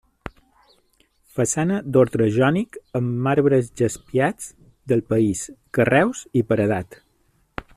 Façana d'ordre jònic amb marbres jaspiats del país, carreus i paredat.